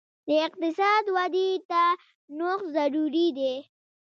د اقتصاد ودې ته نوښت ضروري دی.